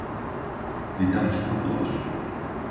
Ditados populares.